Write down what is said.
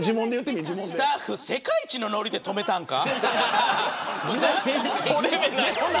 スタッフ世界一ののりでとめたんか。